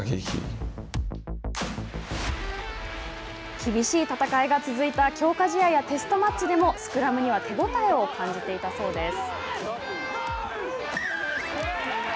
厳しい戦いが続いた強化試合やテストマッチでもスクラムには手応えを感じていたそうです。